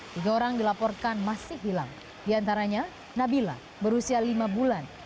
tiga orang dilaporkan masih hilang diantaranya nabila berusia lima bulan